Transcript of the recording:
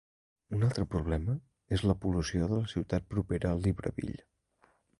Un altre problema és la pol·lució de la ciutat propera de Libreville.